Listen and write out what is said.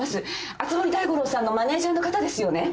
熱護大五郎さんのマネジャーの方ですよね？